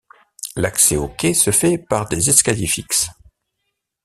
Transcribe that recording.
L'accès aux quais se fait par des escaliers fixes.